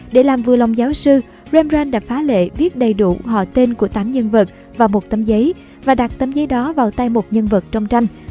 để làm vừa lòng giáo sư rembrandt đã phá lệ viết đầy đủ họ tên của tám nhân vật vào một tấm giấy và đặt tấm giấy đó vào tay một nhân vật trong tranh